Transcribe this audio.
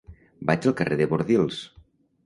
Vaig al carrer de Bordils.